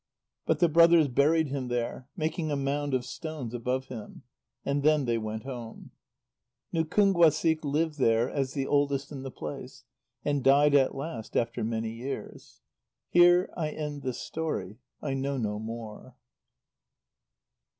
But the brothers buried him there, making a mound of stones above him. And then they went home. Nukúnguasik lived there as the oldest in the place, and died at last after many years. Here I end this story: I know no more.